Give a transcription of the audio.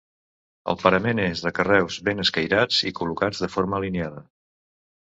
El parament és de carreus ben escairats i col·locats de forma alineada.